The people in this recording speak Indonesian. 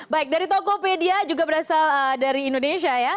baik dari tokopedia juga berasal dari indonesia ya